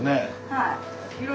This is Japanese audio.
はい。